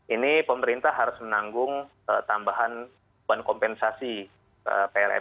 ini pemerintah harus menanggung tambahan uang kompensasi ke pln